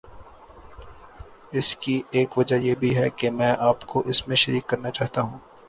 اس کی ایک وجہ یہ بھی ہے کہ میں آپ کو اس میں شریک کرنا چاہتا ہوں۔